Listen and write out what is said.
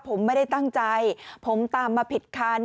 ผมไม่ได้ตั้งใจผมตามมาผิดคัน